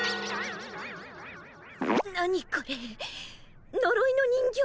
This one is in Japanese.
何これのろいの人形？